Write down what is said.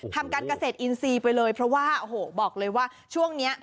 ทำการเกษตรอินทรีย์ไปเลยเพราะว่าโอ้โหบอกเลยว่าช่วงนี้